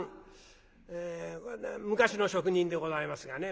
昔の職人でございますがね。